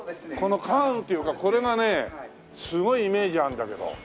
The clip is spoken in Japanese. この缶っていうかこれがねすごいイメージあるんだけど。